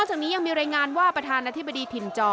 จากนี้ยังมีรายงานว่าประธานาธิบดีถิ่นจอ